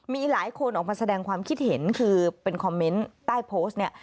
มีหลายคนออกมาแสดงความคิดเห็นคือเป็นคอมเมนต์ใต้โพสต์เนี่ย